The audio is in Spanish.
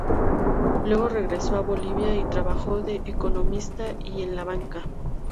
Luego regresó a Bolivia y trabajó de economista y en la banca.